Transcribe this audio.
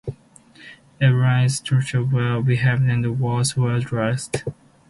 Everyone is tiresomely well-behaved and, worse, well-dressed.